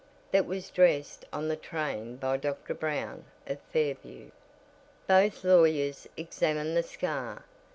That was dressed on the train by Dr. Brown, of Fairview." Both lawyers examined the scar.